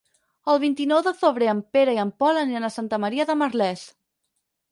El vint-i-nou de febrer en Pere i en Pol aniran a Santa Maria de Merlès.